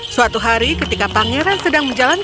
suatu hari ketika pangeran sedang menjalankan